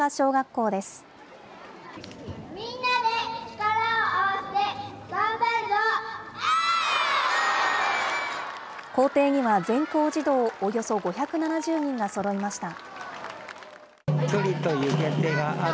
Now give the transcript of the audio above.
校庭には全校児童およそ５７０人がそろいました。